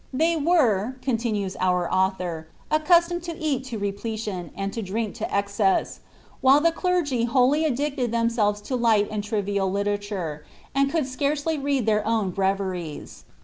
^ They were," continues our author, ^ accustomed to eat to repletion, and to drink to excess ; while the clergy wholly addicted themselves to light and trivial literature, and could scarcely read their own breviaries."